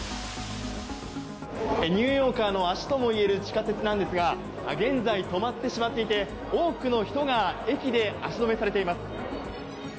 ニューヨーカーの足ともいえる地下鉄なんですが、現在、止まってしまっていて、多くの人が駅で足止めされています。